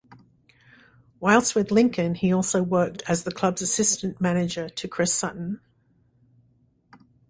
Whilst with Lincoln he also worked as the clubs assistant manager to Chris Sutton.